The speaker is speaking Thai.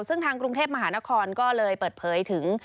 ซึ่งทางกรุงเทพมหานครก็เลยเปิดเผยถึง